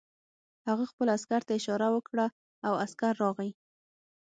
هغه خپل عسکر ته اشاره وکړه او عسکر راغی